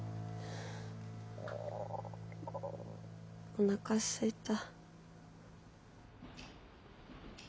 おなかすいた。